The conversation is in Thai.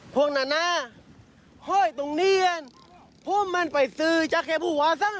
พวกมันหินใจเหมือนมั่งอ่ะ